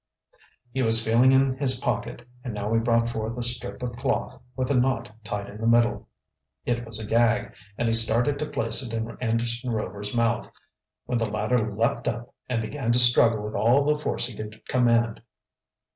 He was feeling in his pocket, and now he brought forth a strip of cloth, with a knot tied in the middle. It was a gag, and he started to place it in Anderson Rover's mouth, when the latter leaped up and began to struggle with all the force he could command.